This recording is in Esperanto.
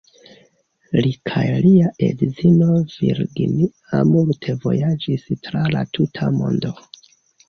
Li kaj lia edzino Virginia multe vojaĝis tra la tuta mondo.